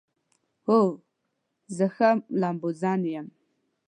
هو، زه ښه لامبوزن یم